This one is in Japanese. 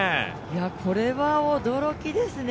これは驚きですね。